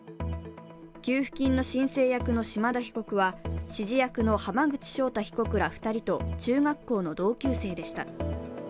給付金の申請役の島田被告は指示役の浜口正太被告ら２人と、中学校の同級生でした。